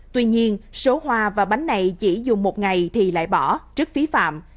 tuy nhiên số hoa và bánh này chỉ dùng một ngày thì lại bỏ trước phí phạm